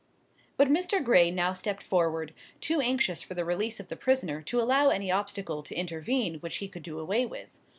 But Mr. Gray now stepped forward, too anxious for the release of the prisoner to allow any obstacle to intervene which he could do away with.